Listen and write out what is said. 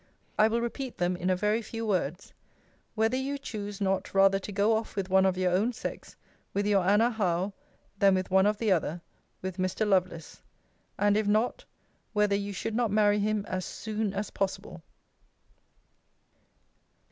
I will repeat them in a very few words: 'Whether you choose not rather to go off with one of your own sex; with your ANNA HOWE than with one of the other; with Mr. LOVELACE?' And if not, 'Whether you should not marry him as soon as possible?'